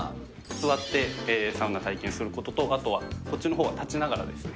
座って、サウナ体験することと、あとはこっちのほうは立ちながらですね。